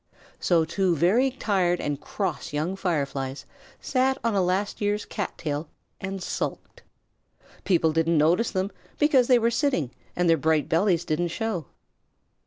So two very tired and cross young Fireflies sat on a last year's cat tail and sulked. People didn't notice them because they were sitting and their bright bellies didn't show.